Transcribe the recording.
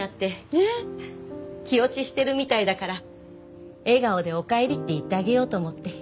えっ？気落ちしてるみたいだから笑顔で「おかえり」って言ってあげようと思って。